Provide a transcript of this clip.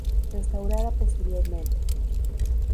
Restaurada posteriormente.